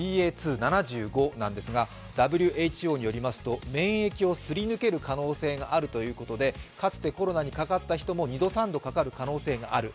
このＢＡ．２．７５なんですが、ＷＨＯによりますと免疫をすり抜ける可能性があるということでかつて、コロナにかかった人も２度、３度かかる可能性がある。